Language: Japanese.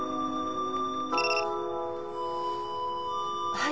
はい。